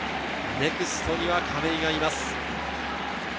ネクストには亀井がいます。